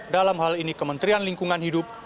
dalam hal ini kementerian lingkungan hidup